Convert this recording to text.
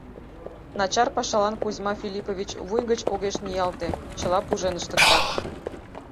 Начар пашалан Кузьма Филиппович вуй гыч огеш ниялте, чыла пужен ыштыкта.